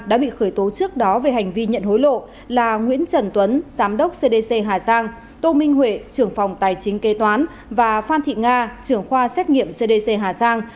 đã bị khởi tố trước đó về hành vi nhận hối lộ là nguyễn trần tuấn giám đốc cdc hà giang tô minh huệ trưởng phòng tài chính kế toán và phan thị nga trưởng khoa xét nghiệm cdc hà giang